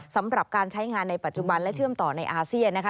สำหรับการใช้งานในปัจจุบันและเชื่อมต่อในอาเซียนนะคะ